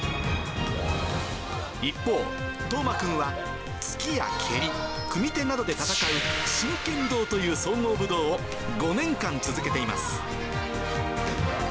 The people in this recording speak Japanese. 一方、虎真君は突きや蹴り、組み手などで戦う、心拳道という総合武道を５年間、続けています。